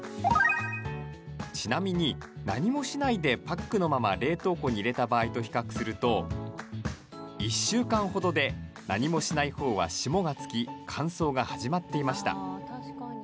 ちなみに、何もしないでパックのまま冷凍庫に入れた場合と比較すると１週間ほどで何もしないほうは霜がつき乾燥が始まっていました。